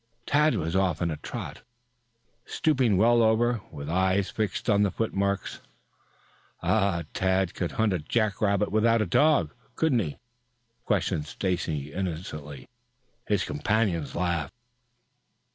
Tad was off on a trot, stooping well over, with eyes fixed on the foot marks. "Tad could hunt jack rabbits without a dog, couldn't he?" questioned Stacy innocently. His companions laughed.